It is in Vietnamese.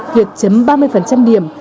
việc chấm ba mươi điểm